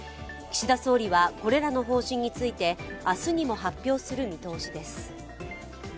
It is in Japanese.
岸田総理はこれらの方針について明日にも発表する見通しです。